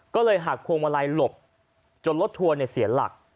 ก็เลยหักพวงมาลัยหลบจนรถทัวร์เสียหลัก